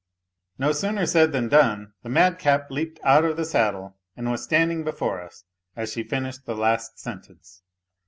No sooner said than done, the madcap leaped out of the saddle and was standing before us as she finished the last sentence.